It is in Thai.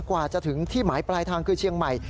กว่าจะถึงที่หมายปลายทางคือเชียงใหม่